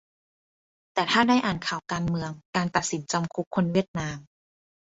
แต่ถ้าได้อ่านข่าวการเมือง การตัดสินจำคุกคนเวียดนาม